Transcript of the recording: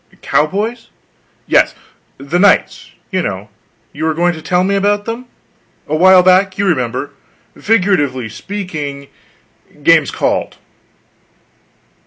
"Cowboys?" "Yes; the knights, you know: You were going to tell me about them. A while back, you remember. Figuratively speaking, game's called."